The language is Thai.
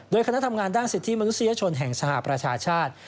โดยคณะทำงานด้านสิทธิมนุษยชนแห่งสหประชาชาติ